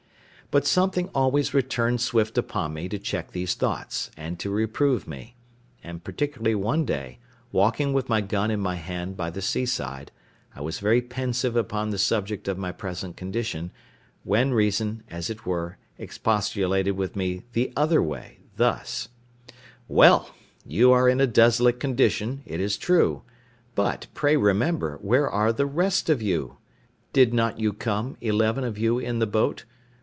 But something always returned swift upon me to check these thoughts, and to reprove me; and particularly one day, walking with my gun in my hand by the seaside, I was very pensive upon the subject of my present condition, when reason, as it were, expostulated with me the other way, thus: "Well, you are in a desolate condition, it is true; but, pray remember, where are the rest of you? Did not you come, eleven of you in the boat?